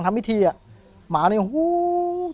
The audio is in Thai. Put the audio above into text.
ผมก็ไม่เคยเห็นว่าคุณจะมาทำอะไรให้คุณหรือเปล่า